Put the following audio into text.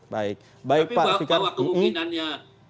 tapi bahwa kemungkinannya